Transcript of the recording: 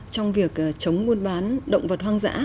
trong việc chống buôn bán động vật hoang dã